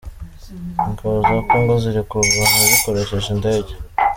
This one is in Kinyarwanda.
Ingabo za Congo ziri kurwana zikoresheje indege.